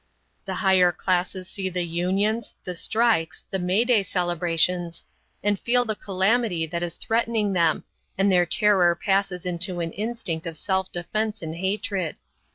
The higher classes see the unions, the strikes, the May Day Celebrations, and feel the calamity that is threatening them, and their terror passes into an instinct of self defense and hatred.